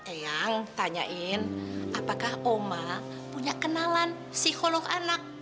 eyang tanyain apakah oma punya kenalan psikolog anak